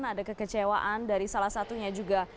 ada kekecewaan dari salah satunya juga